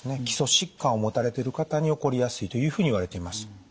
基礎疾患を持たれてる方に起こりやすいというふうにいわれています。